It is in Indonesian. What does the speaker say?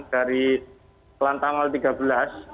dari kelantan mal tiga belas